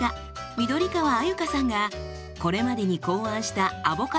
緑川鮎香さんがこれまでに考案したアボカドレシピ